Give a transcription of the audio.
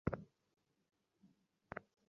ছাগলের হাগু হতে সাবধান।